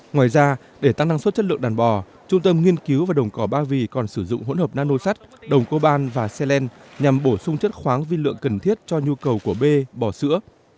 ngoài ra để tăng năng suất chất lượng đàn bò trung tâm nghiên cứu và đồng cỏ ba vì còn sử dụng hỗn hợp nano sắt đồng coban và selene nhằm bổ sung chất khoáng viên lượng cần thiết cho nhu cầu của bê bò sữa